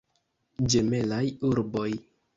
Ĝemelaj urboj.